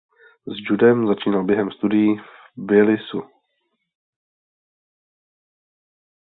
S judem začínal během studií v Tbilisi.